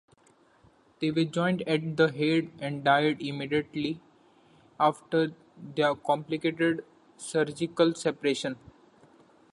They were joined at the head and died immediately after their complicated surgical separation.